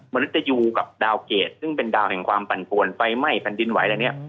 มนุษยูกับดาวเกรดซึ่งเป็นดาวแห่งความปั่นปวนไฟไหม้แผ่นดินไหวอะไรเนี่ย